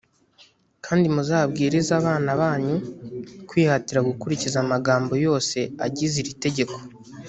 kandi muzabwirize abana banyu kwihatira gukurikiza amagambo yose agize iri tegeko.